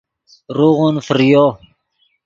روغون فریو